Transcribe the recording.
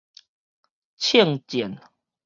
鎗戰